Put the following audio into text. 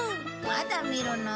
まだ見るの？